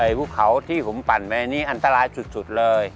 ไอ้ผู้เขาที่ผมปั่นแม่นี่อันสร้ายสุดเลย